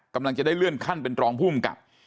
กำลังจะได้เลื่อนขั้นเป็นรองภูมิกับ